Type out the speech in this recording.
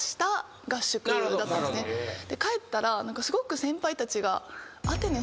帰ったらすごく先輩たちが。